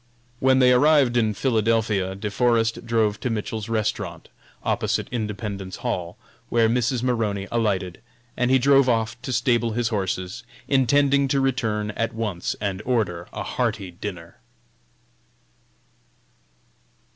When they arrived in Philadelphia, De Forest drove to Mitchell's restaurant, opposite Independence Hall, where Mrs. Maroney alighted, and he drove off to stable his horses, intending to return at once and order a hearty dinner.